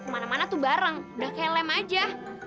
mana mana tuh bareng udah kayak lem aja